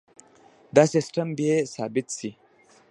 دا سیستم بیې ثابت ساتي.